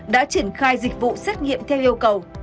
đã triển khai dịch vụ xét nghiệm theo yêu cầu